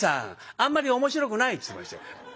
あんまり面白くない」って言ってましたよ。